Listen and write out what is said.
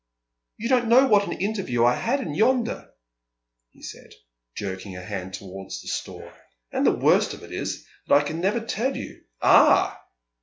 "You don't know what an interview I had in yonder," he said, jerking a hand towards the store. "And the worst of it is that I can never tell you." "Ah!"